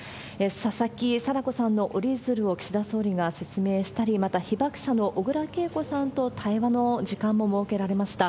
佐々木禎子さんの折り鶴を岸田総理が説明したり、また、被爆者の小倉桂子さんと対話の時間も設けられました。